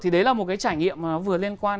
thì đấy là một cái trải nghiệm vừa liên quan